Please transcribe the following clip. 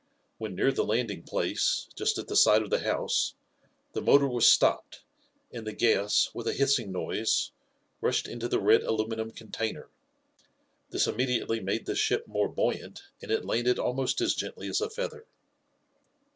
When near the landing place, just at the side of the house, the motor was stopped, and the gas, with a hissing noise, rushed into the red aluminum container. This immediately made the ship more buoyant and it landed almost as gently as a feather.